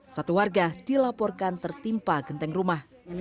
satu warga dilaporkan tertimpa genteng rumah